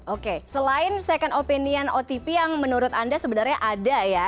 oke selain second opinion otp yang menurut anda sebenarnya ada ya